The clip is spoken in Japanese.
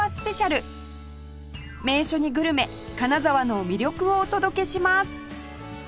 名所にグルメ金沢の魅力をお届けします！